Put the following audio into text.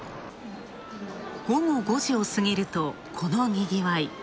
午後５時を過ぎると、このにぎわい。